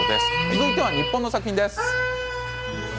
続いては日本の作品です。